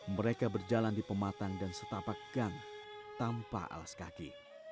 mereka berjalan di pematang dan setapak gang tanpa alas kaki